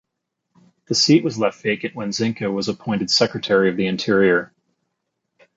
The seat was left vacant when Zinke was appointed Secretary of the Interior.